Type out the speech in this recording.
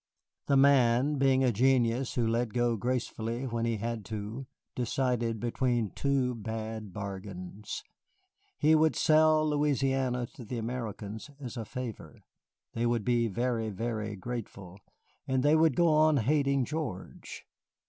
The Man, being a genius who let go gracefully when he had to, decided between two bad bargains. He would sell Louisiana to the Americans as a favor; they would be very, very grateful, and they would go on hating George.